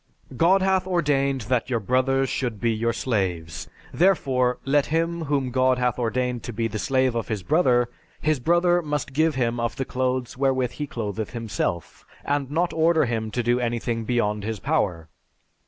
"God hath ordained that your brothers should be your slaves, therefore, let him whom God hath ordained to be the slave of his brother, his brother must give him of the clothes wherewith he clotheth himself, and not order him to do anything beyond his power....